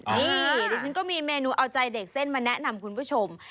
นี่ดิฉันก็มีเมนูเอาใจเด็กเส้นมาแนะนำคุณผู้ชม